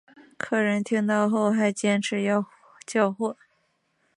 客人听到后还是坚持要交货